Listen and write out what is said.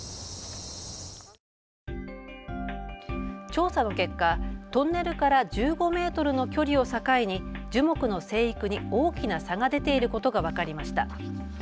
調査の結果、トンネルから１５メートルの距離を境に樹木の生育に大きな差が出ていることが分かりました。